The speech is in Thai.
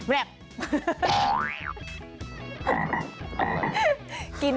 แร็ปกินซิ